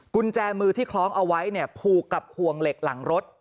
กุญแจมือที่คล้องเอาไว้เนี่ยผูกกับห่วงเหล็กหลังรถ